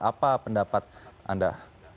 apa pendapat anda